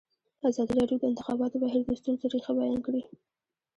ازادي راډیو د د انتخاباتو بهیر د ستونزو رېښه بیان کړې.